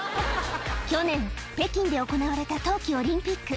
去年、北京で行われた冬季オリンピック。